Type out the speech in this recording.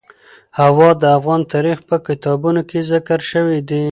هوا د افغان تاریخ په کتابونو کې ذکر شوی دي.